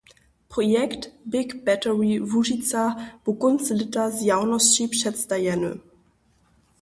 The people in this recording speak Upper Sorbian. Projekt "BigBattery Łužica" bu kónc lěta zjawnosći předstajeny.